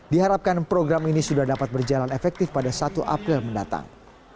diharapkan program ini sudah dapat berjalan efektif pada satu april mendatang